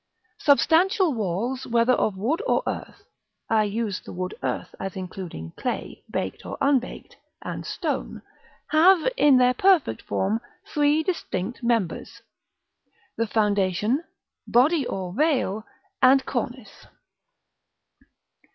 Substantial walls, whether of wood or earth (I use the word earth as including clay, baked or unbaked, and stone), have, in their perfect form, three distinct members; the Foundation, Body or Veil, and Cornice.